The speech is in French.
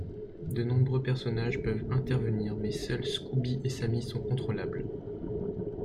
De nombreux personnages peuvent intervenir, mais seuls Scooby et Sammy sont contrôlables.